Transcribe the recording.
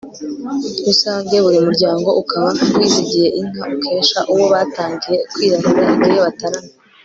rusange, buri muryango ukaba wizigiye inka ukesha uwo batangiye kwirahira igihe bataramye